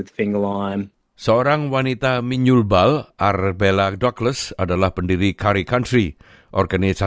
ia memiliki sebuah kondisi yang sangat berguna dan itu adalah kondisi yang sangat berguna